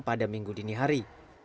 pada minggu dini hari